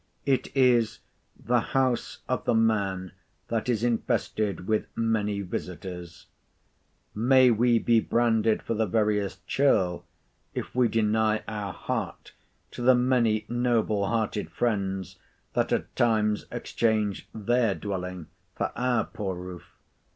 It is—the house of the man that is infested with many visiters. May we be branded for the veriest churl, if we deny our heart to the many noble hearted friends that at times exchange their dwelling for our poor roof!